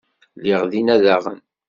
Lliɣ dinna, daɣen.